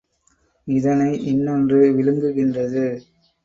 இதனை இன்னொன்று விழுங்குகின்றது.